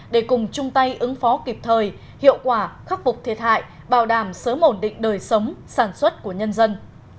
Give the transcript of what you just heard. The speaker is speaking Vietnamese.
để cùng chung tay ứng phó kịp thời hiệu quả khắc phục thiệt hại bảo đảm sớm ổn định đời sống sản xuất của nhân dân